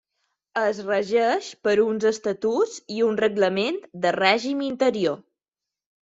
Es regeix per uns estatuts i un reglament de règim interior.